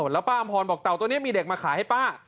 แล้วป้าอำพรบอกเต่าตัวนี้มีเด็กมาขายให้ป้า